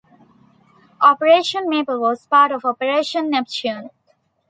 Operation Maple was part of Operation Neptune.